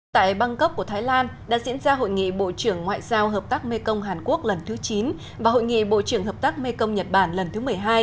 tại bangkok của thái lan đã diễn ra hội nghị bộ trưởng ngoại giao hợp tác mê công hàn quốc lần thứ chín và hội nghị bộ trưởng hợp tác mê công nhật bản lần thứ một mươi hai